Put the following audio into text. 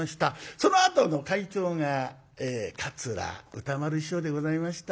そのあとの会長が桂歌丸師匠でございました。